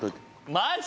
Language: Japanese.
マジ？